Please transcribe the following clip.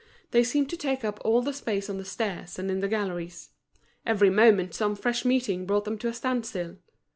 They seemed to take up all the space on the stairs and in the galleries. Every moment some fresh meeting brought them to a standstill.